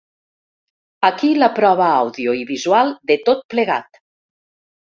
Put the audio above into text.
Aquí la prova àudio i visual de tot plegat.